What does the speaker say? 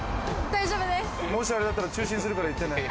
大丈夫です。